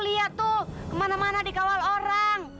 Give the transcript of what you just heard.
lihat tuh kemana mana dikawal orang